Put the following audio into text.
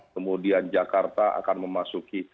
kemudian jakarta akan memasuki